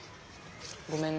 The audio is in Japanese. ごめんね。